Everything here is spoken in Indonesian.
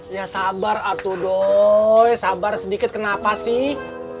ya sabar atu doi sabar sedikit kenapa sih